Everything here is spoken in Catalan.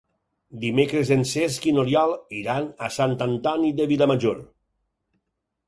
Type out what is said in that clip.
Dimecres en Cesc i n'Oriol iran a Sant Antoni de Vilamajor.